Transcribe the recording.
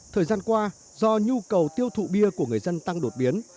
thời gian qua do nhu cầu tiêu thụ bia của người dân tăng đột biến